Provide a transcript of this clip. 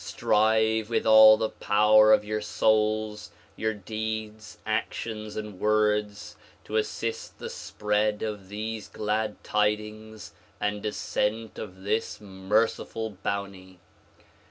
Strive with all the power of your souls, your deeds, actions and words to assist the spread of these glad tidings and descent of this merciful bounty.